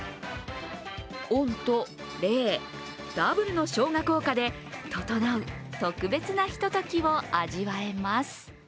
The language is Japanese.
温と冷、ダブルのしょうが効果でととのう特別なひとときを味わえます。